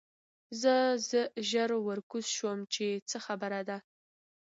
زه ژر ورکوز شوم چې څه خبره ده